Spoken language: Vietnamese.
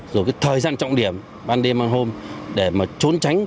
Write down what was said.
rồi cái thời gian trọng điểm ban đêm ban hôm để mà trốn tránh